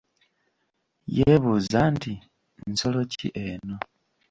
Yeebuuza nti: Nsolo ki eno?